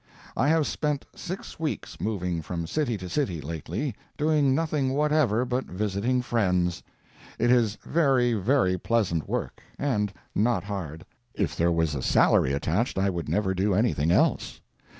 I have spent six weeks moving from city to city lately, doing nothing whatever but visiting friends. It is very, very pleasant work, and not hard. If there was a salary attached I would never do anything else.